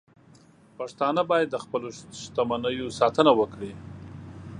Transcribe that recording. پښتانه باید د خپلو شتمنیو ساتنه وکړي.